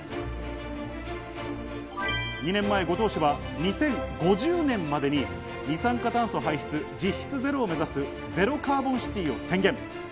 ２年前、五島市は２０５０年までに二酸化炭素排出実質ゼロを目指すゼロカーボンシティを宣言。